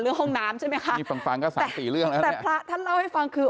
ห้องน้ำใช่ไหมคะนี่ฟังฟังก็สามสี่เรื่องแล้วแต่พระท่านเล่าให้ฟังคือ